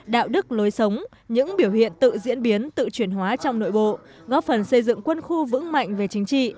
đạo đức lối sống những biểu hiện tự diễn biến tự chuyển hóa trong nội bộ góp phần xây dựng quân khu vững mạnh về chính trị